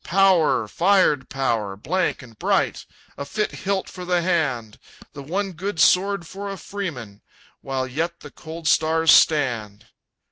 "Power, fired power, blank and bright! A fit hilt for the hand! The one good sword for a freeman, While yet the cold stars stand!"